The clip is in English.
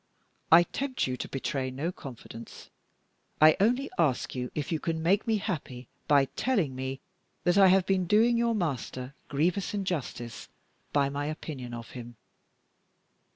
I tempt you to betray no confidence I only ask you if you can make me happy by telling me that I have been doing your master grievous injustice by my opinion of him?